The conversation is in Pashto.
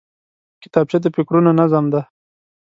کتابچه د فکرونو نظم دی